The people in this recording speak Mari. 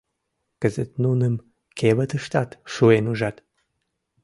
— Кызыт нуным кевытыштат шуэн ужат».